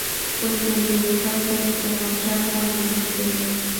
Puesto en libertad, consiguió marchar a Montevideo.